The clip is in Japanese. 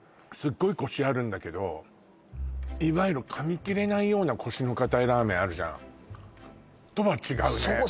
すっごいコシあるんだけどいわゆるかみ切れないようなコシのかたいラーメンあるじゃんとは違うね